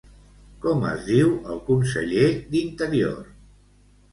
Com es diu el conseller d'Interior?